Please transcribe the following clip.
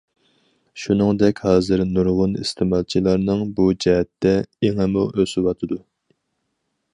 شۇنىڭدەك، ھازىر نۇرغۇن ئىستېمالچىلارنىڭ بۇ جەھەتتە ئېڭىمۇ ئۆسۈۋاتىدۇ.